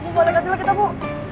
bu boleh gak aja lagi bu